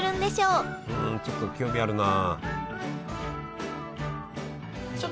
うんちょっと興味あるな。